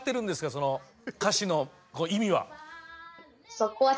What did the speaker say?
その歌詞の意味は。